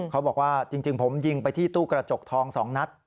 เขาบอกว่าจริงผมยิงไปที่ตู้กระจกทอง๒นัด